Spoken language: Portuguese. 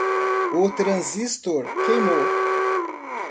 O transistor queimou